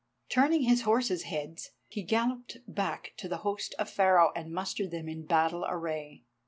Turning his horses' heads, he galloped back to the host of Pharaoh and mustered them in battle array.